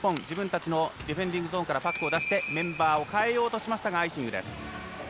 ディフェンディングゾーンからパックを出してメンバーを代えようとしましたがアイシングです。